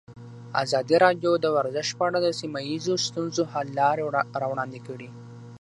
ازادي راډیو د ورزش په اړه د سیمه ییزو ستونزو حل لارې راوړاندې کړې.